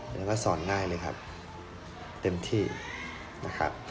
แล้วก็สอนง่ายเลยครับเต็มที่นะครับ